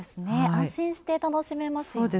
安心して楽しめますよね。